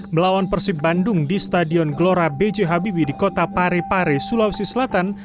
melawan persib bandung di stadion gelora b j habibie di kota parepare sulawesi selatan